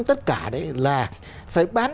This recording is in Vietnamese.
tất cả đấy là phải bán